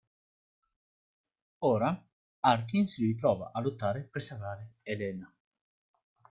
Ora, Arkin si ritrova a lottare per salvare Elena.